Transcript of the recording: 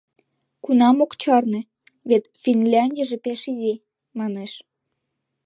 — Кунам ок чарне, вет Финляндийже пеш изи, манеш.